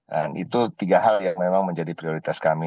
dan itu tiga hal yang memang menjadi prioritas kami